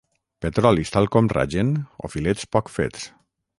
Petrolis tal com ragen o filets poc fets.